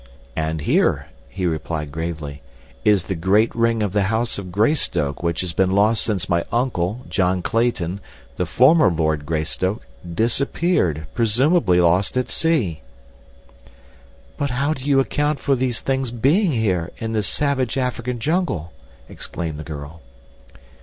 "And here," he replied gravely, "is the great ring of the house of Greystoke which has been lost since my uncle, John Clayton, the former Lord Greystoke, disappeared, presumably lost at sea." "But how do you account for these things being here, in this savage African jungle?" exclaimed the girl.